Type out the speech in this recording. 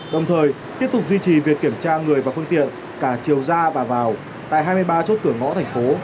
đồng thời tiếp tục duy trì việc kiểm tra người và phương tiện cả chiều ra và vào tại hai mươi ba chốt cửa ngõ thành phố